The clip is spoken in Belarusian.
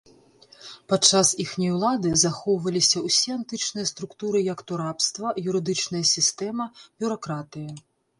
Падчас іхняй улады захоўваліся ўсе антычныя структуры як то рабства, юрыдычная сістэма, бюракратыя.